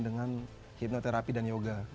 dengan hipnoterapi dan yoga